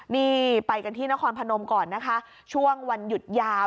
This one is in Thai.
นี่ไปกันที่นครพนมก่อนนะคะช่วงวันหยุดยาว